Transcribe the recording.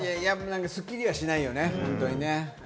すっきりはしないよね。